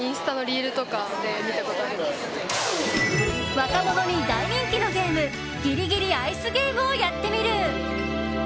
若者に大人気のゲームギリギリアイスゲームをやってみる。